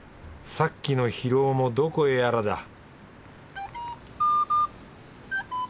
さっきの疲労もどこへやらだ